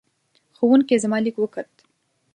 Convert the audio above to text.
ښوونکې زما لیک وکوت.